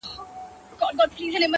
هغو زموږ په مټو یووړ تر منزله,